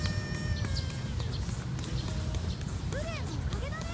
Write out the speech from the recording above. スプレーのおかげだね。